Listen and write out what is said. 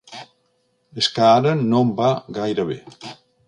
És que ara no em va gaire bé.